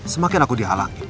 semakin aku dialangi